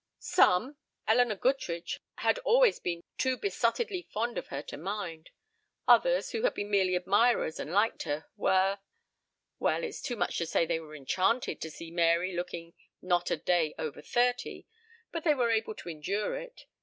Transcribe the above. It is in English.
"Some. Elinor Goodrich had always been too besottedly fond of her to mind. Others, who had been merely admirers and liked her, were well, it's too much to say they were enchanted to see Mary looking not a day over thirty, but they were able to endure it.